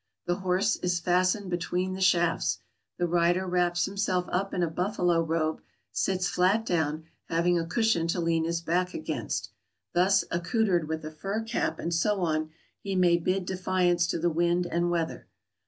The horse is fastened be tween the shafts. The rider wraps himself up in a buffalo robe, sits flat down, having a cushion to lean his back against. Thus accoutered with a fur cap, and so on, he may bid defiance to the wind and weather.